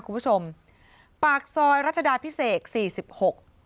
คุณผู้ชมปากซอยรัชดาพิเศษสี่สิบหก